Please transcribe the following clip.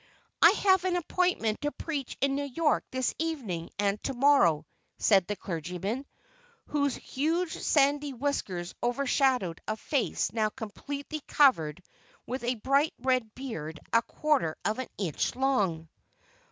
"I have an appointment to preach in New York this evening and to morrow," said the clergyman, whose huge sandy whiskers overshadowed a face now completely covered with a bright red beard a quarter of an inch long.